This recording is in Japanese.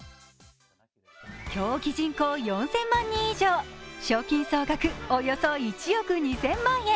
競技人口４０００万人以上、賞金総額およそ１億２０００万円。